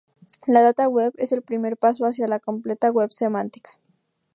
La "Data Web" es el primer paso hacia la completa Web Semántica.